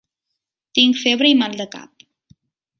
Tinc febre i mal de cap.